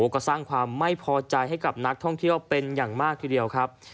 ก็สร้างความไม่พอใจให้กับนักท่องเที่ยวเป็นอย่างมากทีเดียวครับ